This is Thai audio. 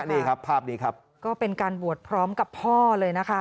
นี่ครับภาพนี้ครับก็เป็นการบวชพร้อมกับพ่อเลยนะคะ